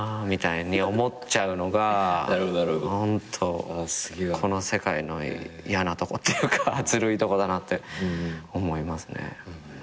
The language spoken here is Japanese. みたいに思っちゃうのがホントこの世界の嫌なとこっていうかずるいとこだなって思いますね。